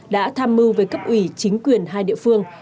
đã tham mưu với cấp ủy chính quyền hai địa phương